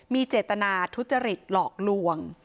มีเจตนาทุจริตหลอกลวง